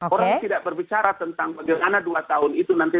orang tidak berbicara tentang bagaimana dua tahun itu nanti